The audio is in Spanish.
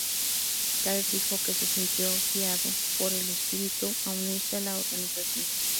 Blair dijo que se sintió guiado por el Espíritu a unirse a la organización.